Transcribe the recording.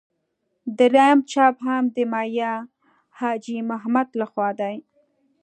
درېیم چاپ هم د میا حاجي محمد له خوا دی.